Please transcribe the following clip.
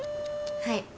はい。